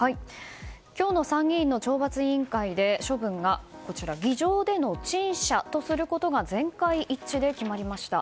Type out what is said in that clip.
今日の参議院の懲罰委員会で処分が議場での陳謝とすることが全会一致で決まりました。